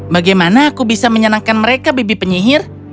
bagaimana aku bisa menyenangkan mereka bibi penyihir